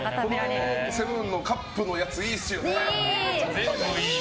このセブンのカップのやついいですよね。